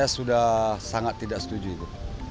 sangat tidak setuju itu